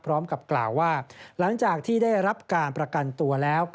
พร้อมกับกล่าวว่าหลังจากที่ได้รับการประกันตัวแล้ว